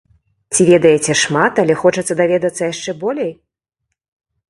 Ці ведаеце шмат, але хочацца даведацца яшчэ болей?